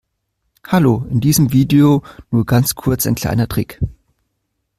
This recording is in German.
Hallo, in diesem Video nur ganz kurz ein kleiner Trick.